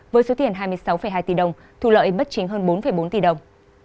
với số tiền hai mươi sáu hai tỷ đồng thu lợi bất chính hơn bốn bốn tỷ đồng